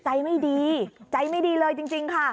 ใจไม่ดีใจไม่ดีเลยจริงค่ะ